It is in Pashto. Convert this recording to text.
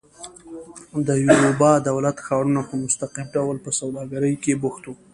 د یوروبا دولت ښارونه په مستقیم ډول په سوداګرۍ کې بوخت وو.